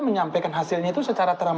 menyampaikan hasilnya itu secara terang